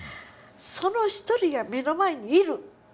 その一人が目の前にいる。